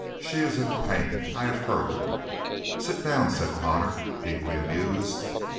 "She is in pain. I have hurt her." "Sit down," said Connor, deeply amused.